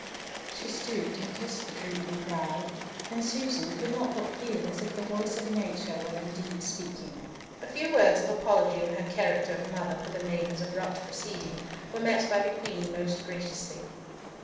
She stooped and kissed the drooping brow, and Susan could not but feel as if the voice of nature were indeed speaking. A few words of apology in her character of mother for the maiden's abrupt proceeding were met by the Queen most graciously.